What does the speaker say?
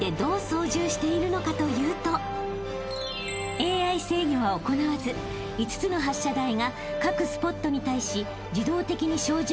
［ＡＩ制御は行わず５つの発射台が各スポットに対し］